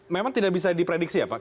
memang tidak bisa diprediksi ya pak